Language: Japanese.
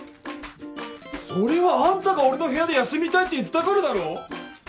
それはあんたが俺の部屋で休みたいって言ったからだろ！？